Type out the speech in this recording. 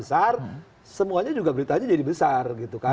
semuanya juga beritanya jadi besar